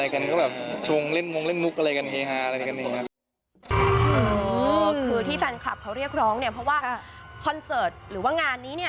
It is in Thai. อะไรกันก็แบบชงเล่นวงเล่นมุกอะไรกันเฮฮาอะไรกันเนี้ยโอ้โหคือที่แฟนคลับเขาเรียกร้องเนี้ยเพราะว่าคอนเซิร์ตหรือว่างานนี้เนี้ย